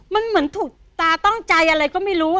มันเหมือนถูกตาต้องใจอะไรก็ไม่รู้